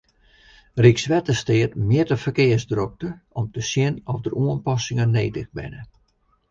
Rykswettersteat mjit de ferkearsdrokte om te sjen oft der oanpassingen nedich binne.